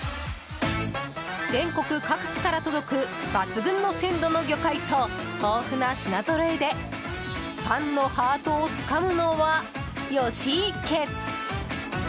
全国各地から届く抜群の鮮度の魚介と豊富な品ぞろえでファンのハートをつかむのは吉池。